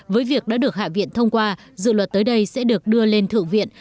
với việc đã được hạ viện thông qua dự luật tới đây sẽ được đưa lên thượng viện